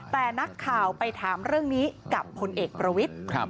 แต่นักข่าวไปถามเรื่องนี้กับพลเอกประวิทธิ์